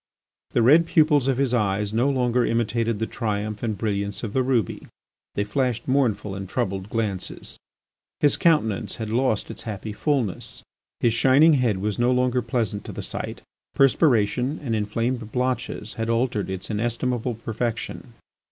The red pupils of his eyes no longer imitated the triumph and brilliance of the ruby, they flashed mournful and troubled glances. His countenance had lost its happy fulness. His shining head was no longer pleasant to the sight; perspiration and inflamed blotches bad altered its inestimable perfection.